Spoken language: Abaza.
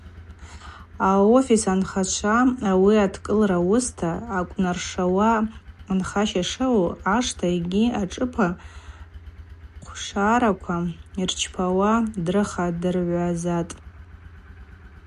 Аофис анхагӏвчва ауи адкӏылара уыста йакӏвнаршауа, анхаща шаъу, ашта йгьи ашӏыпӏа хъвшараква йырчпауа дрыхадыргӏвазатӏ.